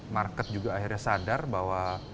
market juga akhirnya sadar bahwa